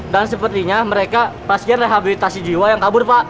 dan sepertinya mereka pasien rehabilitasi jiwa yang kabur pak